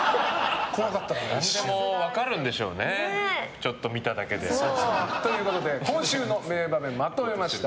何でも分かるんでしょうね。ということで今週の名場面まとめました。